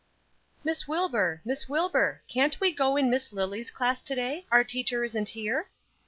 "MISS WILBUR! Miss Wilbur! can't we go in Miss Lily's class to day, our teacher isn't here?"